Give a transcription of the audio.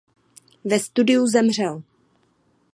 Ve studiu zemřel.